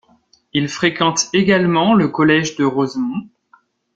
Il fréquente également le Collège de Rosemont.